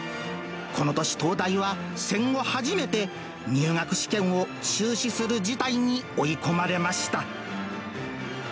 この年、東大は戦後初めて、入学試験を中止する事態に追い込まれました。